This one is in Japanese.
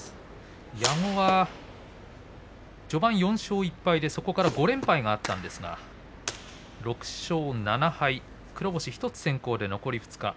矢後は序盤４勝１敗でそこから５連敗だったんですが６勝７敗黒星１つ先行で残り２日。